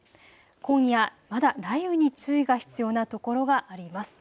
今夜まだ雷雨に注意が必要なところがあります。